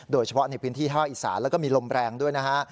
โดยเฉพาะในพื้นที่ภาคอีสานแล้วก็มีลมแรงด้วยนะฮะ